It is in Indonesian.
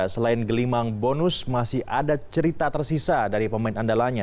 selain gelimang bonus masih ada cerita tersisa dari pemain andalanya